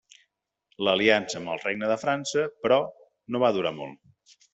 L'aliança amb el Regne de França, però, no va durar molt.